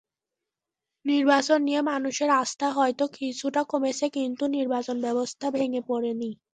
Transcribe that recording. নির্বাচন নিয়ে মানুষের আস্থা হয়তো কিছুটা কমেছে, কিন্তু নির্বাচনব্যবস্থা ভেঙে পড়েনি।